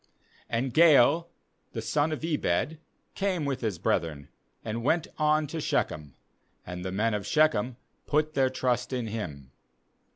26And Gaal the son of Ebed came with his brethren, and went on to Shechem; and the men of Shechem put their trust in him.